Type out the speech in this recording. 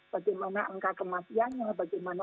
bagaimana angka kematiannya bagaimana